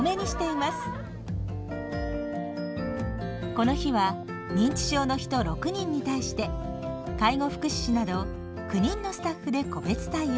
この日は認知症の人６人に対して介護福祉士など９人のスタッフで個別対応。